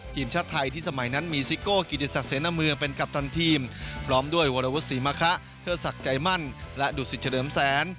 ทีมชาติไทยที่สมัยนั้นมีซิโก้กิติศักดิเสนอเมืองเป็นกัปตันทีมพร้อมด้วยวรวุฒิศรีมะคะเทิดศักดิ์ใจมั่นและดุสิตเฉลิมแสน